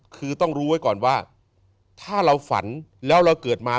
คือต้องรู้ไว้ก่อนว่าถ้าเราฝันแล้วเราเกิดมา